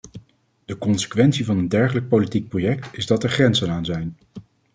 De consequentie van een dergelijk politiek project is dat er grenzen aan zijn.